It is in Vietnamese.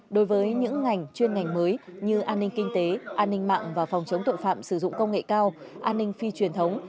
đối với những ngành chuyên ngành mới như an ninh kinh tế an ninh mạng và phòng chống tội phạm sử dụng công nghệ cao an ninh phi truyền thống